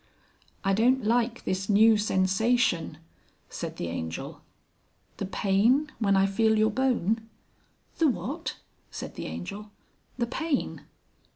"I don't like this new sensation," said the Angel. "The Pain when I feel your bone?" "The what?" said the Angel. "The Pain."